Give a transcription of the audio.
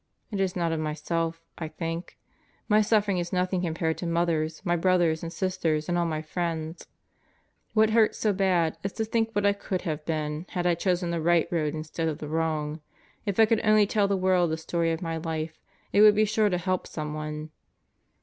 It is not of myself I think. My suffering is nothing compared to Mother's, my brothers and sisters, and all my friends. What hurts so bad is to think what I could have been had I chosen the right road instead of the wrong. If I could only tell the world the story of my life, it would be sure to help someone.